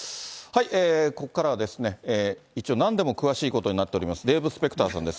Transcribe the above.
ここからは一応、なんでも詳しいことになってます、デーブ・スペクターさんです。